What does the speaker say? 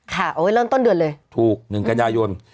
เอาไว้เริ่มต้นเดือนเลยถูก๑กันยายน